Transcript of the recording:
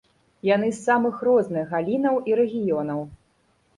Яны з самых розных галінаў і рэгіёнаў.